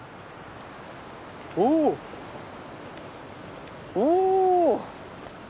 おおっお！